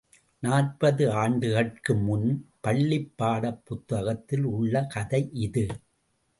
நாற்பது ஆண்டுகட்குமுன் பள்ளிப்பாடப் புத்தகத்தில் உள்ள கதை இது.